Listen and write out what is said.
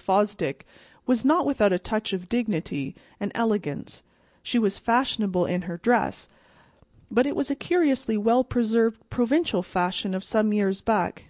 Fosdick was not without a touch of dignity and elegance; she was fashionable in her dress, but it was a curiously well preserved provincial fashion of some years back.